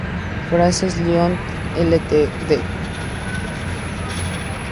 Frances Lincoln Ltd.